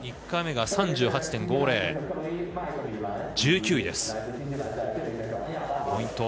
１回目が３８．５０、１９位です。